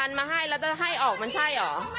มันมาหลอกทำร้ายธุรกิจเขาเป็นอย่างนี้